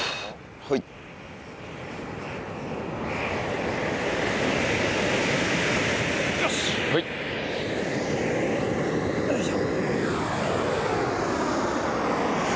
はい。よいしょ。